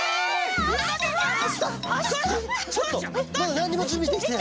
ちょっとまだなんにもじゅんびできてない。